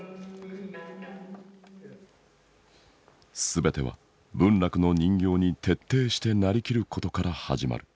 全ては文楽の人形に徹底して成りきることから始まる。